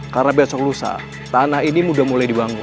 karena besok lusa tanah ini udah mulai dibangun